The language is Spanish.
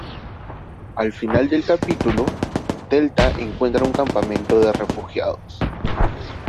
Al final del capítulo, delta encuentra un campamento de refugiados.